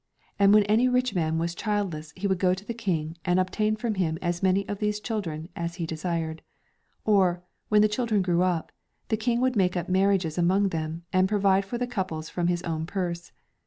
And when any rich man was childless he would go to the King and obtain from him as many of these children as he desired. Or, when the children grew up, the King would make up marriages among them, and provide for the couples from his own purse.